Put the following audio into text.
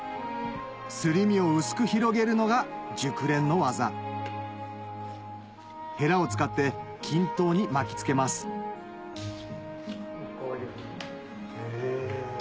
すり身を薄く広げるのが熟練の技ヘラを使って均等に巻き付けますへぇ。